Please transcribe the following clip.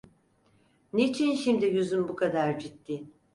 Niçin şimdi yüzün bu kadar ciddi?